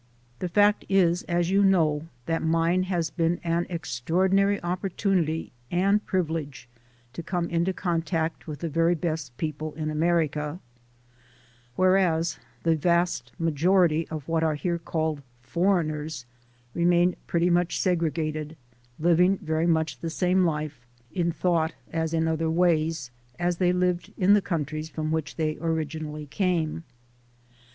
The fact is, as you know, that mine has been an extraordinary opportunity and privilege to come in contact with the best people in America; whereas the vast majority of what are here called "foreigners" remain pretty much segregated, living very much the same life, in thought as in other ways, 276 THE SOUL OF AN IMMIGRANT as they lived in the countries from which they originally came.